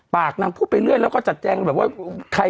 นางพูดไปเรื่อยแล้วก็จัดแจงแบบว่าใคร